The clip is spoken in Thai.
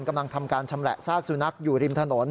กำลังทำการชำแหละซากสุนัขอยู่ริมถนน